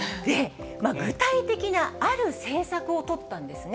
具体的なある政策を取ったんですね。